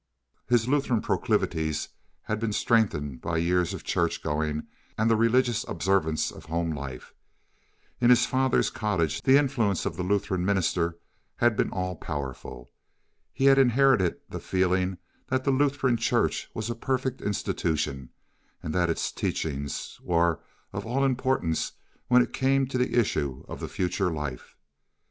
His Lutheran proclivities had been strengthened by years of church going and the religious observances of home life, In his father's cottage the influence of the Lutheran minister had been all powerful; he had inherited the feeling that the Lutheran Church was a perfect institution, and that its teachings were of all importance when it came to the issue of the future life.